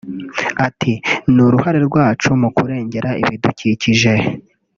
Ati “Ni uruhare rwacu mu kurengera ibidukikije